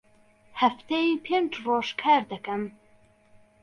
هەفتەی پێنج ڕۆژ کار دەکەم.